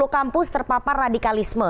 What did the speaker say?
sepuluh kampus terpapar radikalisme